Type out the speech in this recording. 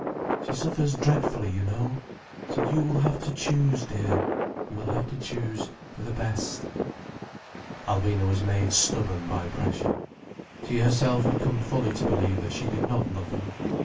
She suffers dreadfully, you know. So you will have to choose, dear. You will have to choose for the best." Alvina was made stubborn by pressure. She herself had come fully to believe that she did not love him.